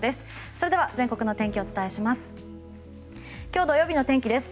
それでは全国のお天気をお伝えします。